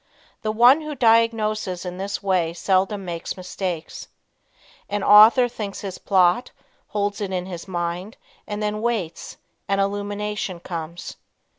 The one who diagnoses in this way seldom makes mistakes. An author thinks his plot, holds it in his mind, and then waits, and illumination comes.